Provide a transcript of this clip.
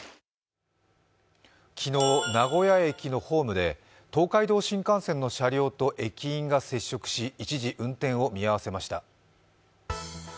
昨日、名古屋駅のホームで東海道新幹線の車両と駅員が接触し、一時運転を見合わせました。